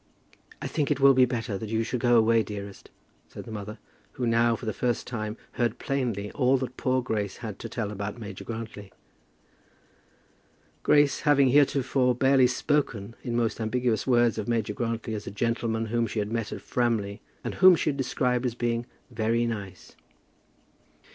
"I think it will be better that you should be away, dearest," said the mother, who now, for the first time, heard plainly all that poor Grace had to tell about Major Grantly; Grace having, heretofore, barely spoken, in most ambiguous words, of Major Grantly as a gentleman whom she had met at Framley, and whom she had described as being "very nice."